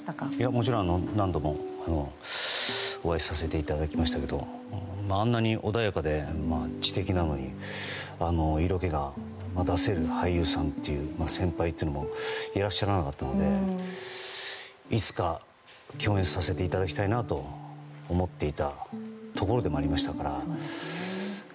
もちろん何度もお会いさせていただきましたがあんなに穏やかで知的なのに色気が出せる俳優さんというか先輩というのもいらっしゃらなかったのでいつか共演させていただきたいと思っていたところでもありましたから。